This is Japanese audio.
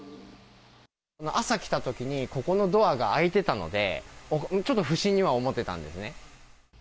朝来たときに、ここのドアが開いてたので、ちょっと不審には思ってたんです